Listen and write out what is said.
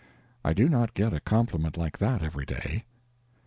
(I do not get a compliment like that every day.)